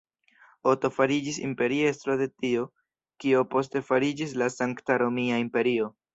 Oto fariĝis imperiestro de tio, kio poste fariĝis la Sankta Romia Imperio.